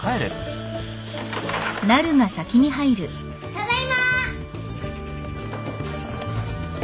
ただいま！